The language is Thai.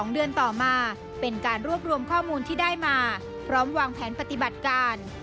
๒เดือนต่อมาเป็นการรวบรวมข้อมูลที่ได้มาพร้อมวางแผนปฏิบัติการ